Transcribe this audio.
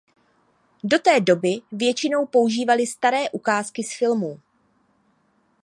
Do té doby většinou používali staré ukázky z filmů.